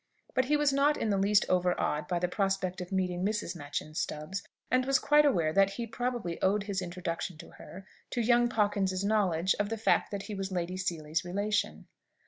But he was not in the least overawed by the prospect of meeting Mrs. Machyn Stubbs, and was quite aware that he probably owed his introduction to her, to young Pawkins's knowledge of the fact that he was Lady Seely's relation.